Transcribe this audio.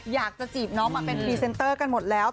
จีบน้องมาเป็นพรีเซนเตอร์กันหมดแล้ว